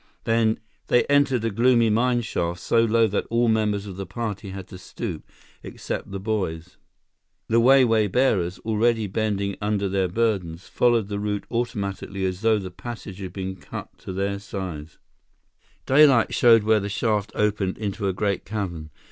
They entered a gloomy mine shaft, so low that all members of the party had to stoop, except the boys. The Wai Wai bearers, already bending under their burdens, followed the route automatically as though the passage had been cut to their size. Daylight showed where the shaft opened into a great cavern.